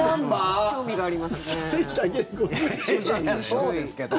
そうですけど。